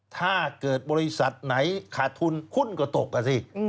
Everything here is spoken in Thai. ถ้าเกิดบริษัทไหนขาดทุนหุ้นก็ตกอ่ะสิ